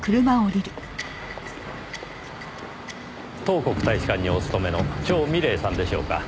東国大使館にお勤めの趙美麗さんでしょうか？